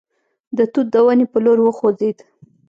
د توت د ونې په لور وخوځېد.